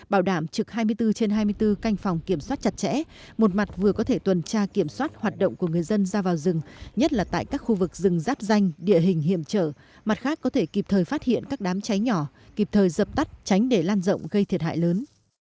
bảo đảm trực hai mươi bốn trên hai mươi bốn canh phòng kiểm soát chặt chẽ một mặt vừa có thể tuần tra kiểm soát hoạt động của người dân ra vào rừng nhất là tại các khu vực rừng ráp danh địa hình hiểm trở mặt khác có thể kịp thời phát hiện các đám cháy nhỏ kịp thời dập tắt tránh để lan rộng gây thiệt hại lớn